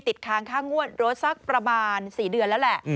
ค้างค่างวดรถสักประมาณ๔เดือนแล้วแหละ